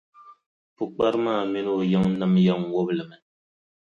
Pukpara maa mini o yiŋnima yɛn ŋubi li mi.